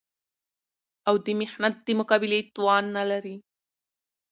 او د محنت د مقابلې توان نه لري